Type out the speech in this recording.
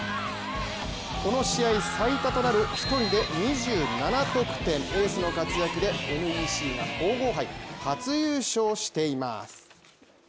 この試合最多となる１人で２７得点エースの活躍で、ＮＥＣが皇后杯初優勝しています。